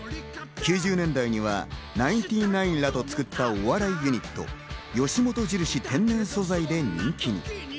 ９０年代にはナインティナインらと作ったお笑いユニット、吉本印天然素材で人気に。